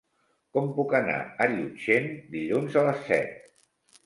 Com puc anar a Llutxent dilluns a les set?